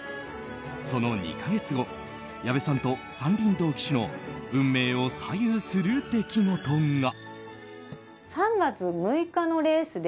その２か月後、矢部さんと山林堂騎手の運命を左右する出来事が。